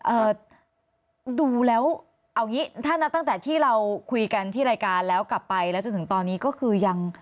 เอ่อดูแล้วเอางี้ถ้านับตั้งแต่ที่เราคุยกันที่รายการแล้วกลับไปแล้วจนถึงตอนนี้ก็คือยัง